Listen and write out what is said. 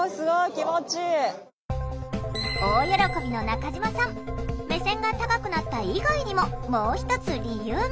大喜びの中嶋さん目線が高くなった以外にももう一つ理由が。